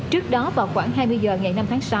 trước đó vào khoảng hai mươi h ngày năm tháng sáu